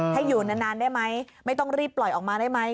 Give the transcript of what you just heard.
ให้อยู่นานได้ไหมไม่ต้องรีบปล่อยออกมาได้ไหม